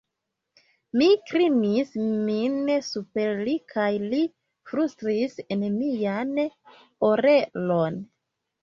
Mi klinis min super li kaj li flustris en mian orelon: